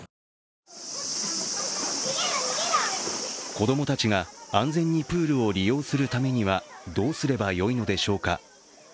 子供たちが安全にプールを利用するためにはどうすればよいのでしょうか。